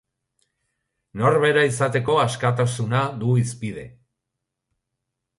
Norbera izateko askatasuna du hizpide.